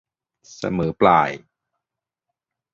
เสมอปลาย